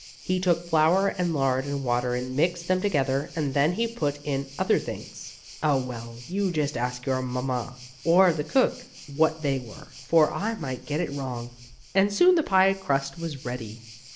He took flour and lard and water, and mixed them together, and then he put in other things Oh, well, you just ask your mamma or the cook what they were, for I might get it wrong and soon the pie crust was ready.